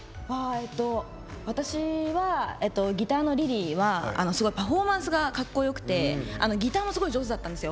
私はギターのＬｉｌｙはパフォーマンスがかっこよくてギターもすごい上手だったんです。